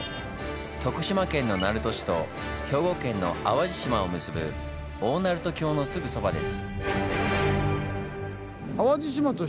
徳島県の鳴門市と兵庫県の淡路島を結ぶ大鳴門橋のすぐそばです。